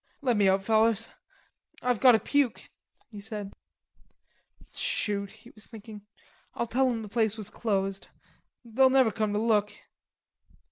"Lemme out, fellers, I've got to puke," he said. "Shoot," he was thinking, "I'll tell 'em the place was closed; they'll never come to look."